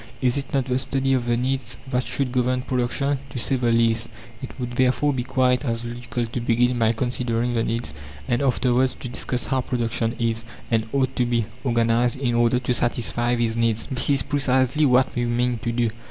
Is it not the study of the needs that should govern production? To say the least, it would therefore be quite as logical to begin by considering the needs, and afterwards to discuss how production is, and ought to be, organized, in order to satisfy these needs. This is precisely what we mean to do.